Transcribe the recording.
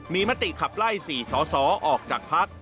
มีมัตติขับไล่๔สอออกจากพรรค